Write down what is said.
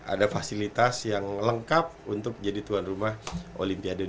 ada fasilitas yang lengkap untuk jadi tuan rumah olimpiade dua ribu tiga puluh enam